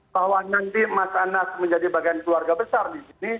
bahwa nanti mas anas menjadi bagian keluarga besar di sini